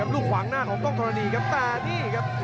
ลูกขวางหน้าของกล้องธรณีครับแต่นี่ครับ